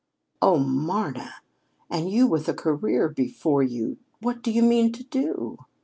"Oh, Marna! And you, with a career before you! What do you mean to do?"